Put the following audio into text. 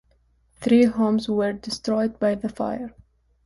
Three homes were destroyed by the fire.